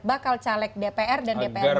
bakal caleg dpr dan dprd